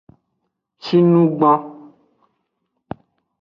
Shinugban.